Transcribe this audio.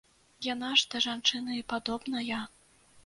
Яна ж да жанчыны і падобная.